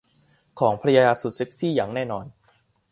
ของภรรยาสุดเซ็กซี่อย่างแน่นอน